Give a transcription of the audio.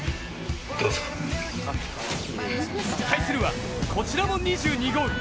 対するはこちらも２２ゴール。